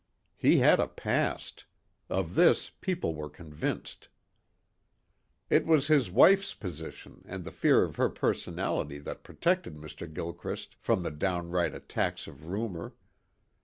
He had a past. Of this people were convinced. It was his wife's position and the fear of her personality that protected Mr. Gilchrist from the downright attacks of rumor.